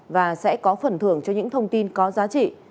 và sẽ có phần thưởng cho những thông tin có giá trị